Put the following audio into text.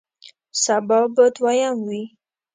سبا به دویم وی